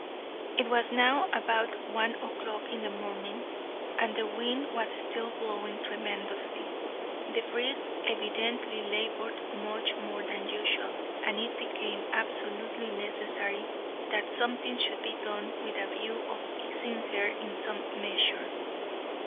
It was now about one o'clock in the morning, and the wind was still blowing tremendously. The brig evidently laboured much more than usual, and it became absolutely necessary that something should be done with a view of easing her in some measure.